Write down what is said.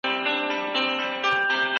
د جزيې هدف د امنيت او ساتنې تامينول دي.